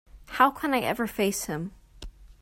How can I ever face him?